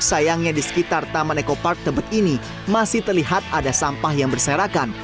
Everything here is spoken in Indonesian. sayangnya di sekitar taman eko park tebet ini masih terlihat ada sampah yang berserakan